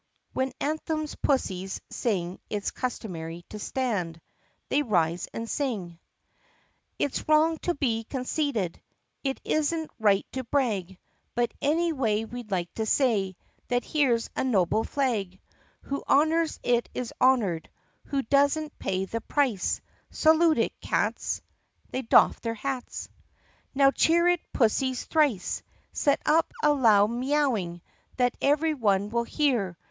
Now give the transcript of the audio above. ( When anthems pussies sing It's customary to stand.) \They rise and sing.'] Q2 THE PUSSYCAT PRINCESS 93 CHORUS It 's wrong to be conceited, It is n't right to brag, But anyway we 'd like to say That here 's a noble flag ! Who honors it is honored, Who doesn't pays the price! Salute it, cats! ( They doff their hats.) Now cheer it, pussies, thrice! Set up a loud mee owing That every one will hear!